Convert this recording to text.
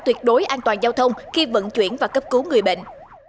tuyệt đối an toàn giao thông khi vận chuyển và cấp cứu người bệnh